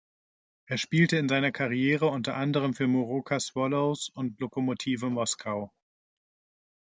Er spielte in seiner Karriere unter anderem für Moroka Swallows und Lokomotive Moskau.